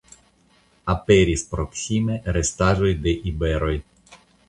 Aperis proksime restaĵoj de iberoj.